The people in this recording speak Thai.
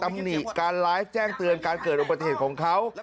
ตามหนิการไร้แจ้งเตือนการเกิดอุปเทศของเขา